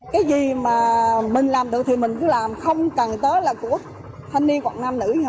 cái gì mà mình làm được thì mình cứ làm không cần tới là của thanh niên quận nam nữ